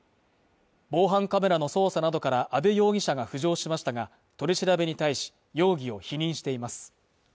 防犯カメラの捜査などから阿部容疑者が浮上しましたが取り調べに対し容疑を否認しています